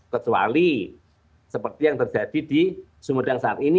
kecuali seperti yang terjadi di sumedang saat ini